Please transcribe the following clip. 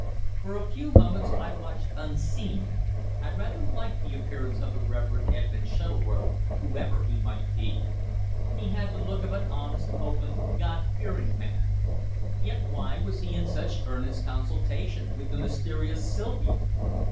For a few moments I watched unseen. I rather liked the appearance of the Reverend Edmund Shuttleworth, whoever he might be. He had the look of an honest, open, God fearing man. Yet why was he in such earnest consultation with the mysterious Sylvia?